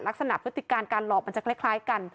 พฤติการการหลอกมันจะคล้ายกัน